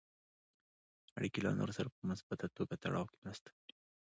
اړیکې له نورو سره په مثبته توګه تړاو کې مرسته کوي.